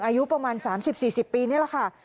อายุประมาณ๓๐๔๐ปีนี่แหละค่ะ